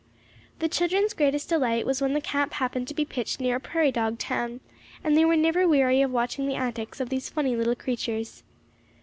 The children's greatest delight was when the camp happened to be pitched near a prairie dog town, and they were never weary of watching the antics of these funny little creatures.